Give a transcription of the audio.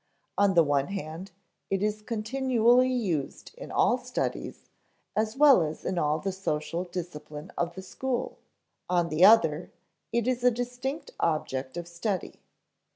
On the one hand, it is continually used in all studies as well as in all the social discipline of the school; on the other, it is a distinct object of study.